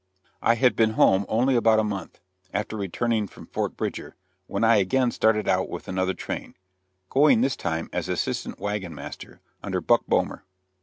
I had been home only about a month, after returning from Fort Bridger, when I again started out with another train, going this time as assistant wagon master under Buck Bomer.